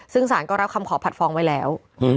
ซึ่งสารก็รับคำขอผัดฟ้องไว้แล้ว